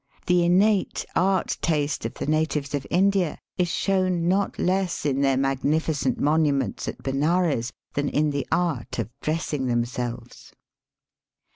The innate art taste of the natives of India is shown not less in their magnificent monuments at Benares than in the art of dressing themselves.